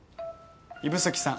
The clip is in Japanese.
指宿さん